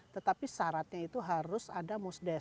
tetapi syaratnya itu harus ada musdes musyawarah desa